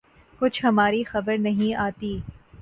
کچھ ہماری خبر نہیں آتی